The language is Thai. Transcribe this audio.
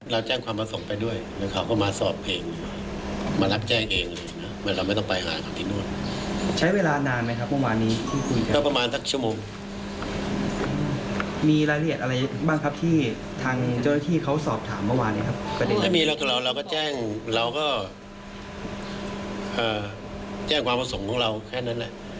ถ้ามีเราตัวเราเราก็แจ้งเราก็แจ้งความประสงค์ของเราแค่นั้นแหละ